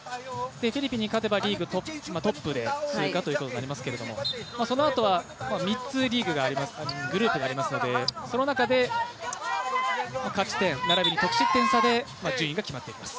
フィリピンに勝てばトップで通過ということになりますがそのあとは３つグループがありますので、その中で勝ち点並びに得失点差で順位が決まっていきます。